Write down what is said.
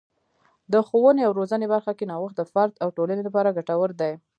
د ښوونې او روزنې برخه کې نوښت د فرد او ټولنې لپاره ګټور دی.